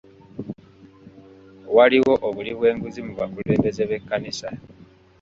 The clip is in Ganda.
Waliwo obuli bw'enguzi mu bakulembeze b'ekkanisa.